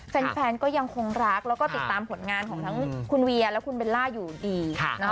แฟนก็ยังคงรักแล้วก็ติดตามผลงานของทั้งคุณเวียและคุณเบลล่าอยู่ดี